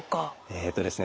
えっとですね